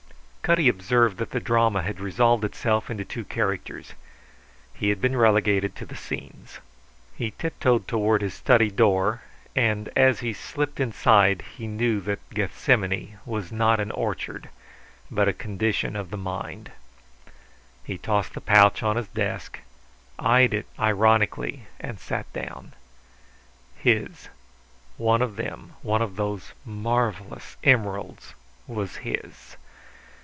Cutty observed that the drama had resolved itself into two characters; he had been relegated to the scenes. He tiptoed toward his study door, and as he slipped inside he knew that Gethsemane was not an orchard but a condition of the mind. He tossed the pouch on his desk, eyed it ironically, and sat down. His, one of them one of those marvellous emeralds was his!